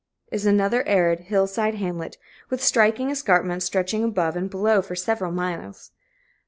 is another arid, hillside hamlet, with striking escarpments stretching above and below for several miles.